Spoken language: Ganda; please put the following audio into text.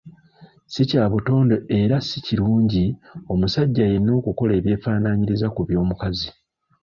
Si kya butonde era si kirungi omusajja yenna okukola ebyefaananyiriza ku by'omukazi.